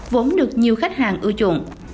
vốn được nhiều khách hàng ưu chuộng